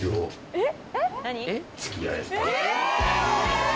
えっ！